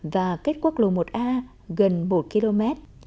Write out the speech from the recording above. và cách quốc lộ một a gần một km